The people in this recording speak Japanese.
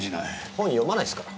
本読まないっすから。